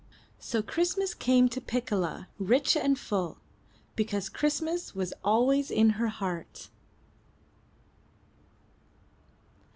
So Christ mas came to Piccola rich and full, because Christmas was always in her heart.